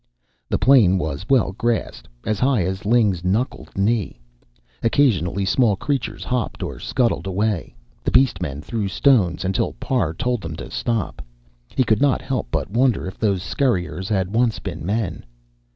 The plain was well grassed, as high as Ling's knuckled knee. Occasionally small creatures hopped or scuttled away. The beast men threw stones until Parr told them to stop he could not help but wonder if those scurriers had once been men.